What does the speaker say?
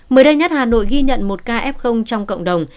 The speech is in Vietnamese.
mới đây nhất hà nội ghi nhận một ca f trong cộng đồng